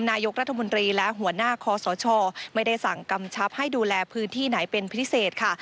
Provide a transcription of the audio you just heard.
นายกรัฐมนตรีและหัวหน้าคอสชไม่ได้สั่งกำชับให้ดูแลพื้นที่ไหนเป็นพิเศษค่ะ